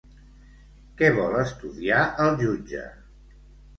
Què vol estudiar el jutge?